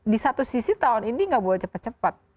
di satu sisi tahun ini gak boleh cepat cepat